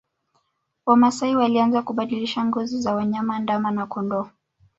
Wamasai walianza kubadilisha ngozi ya wanyama ndama na kondoo